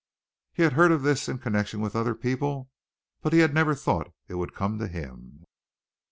He had heard of this in connection with other people, but he had never thought it would come to him.